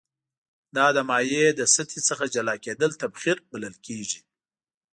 دا د مایع له سطحې څخه جلا کیدل تبخیر بلل کیږي.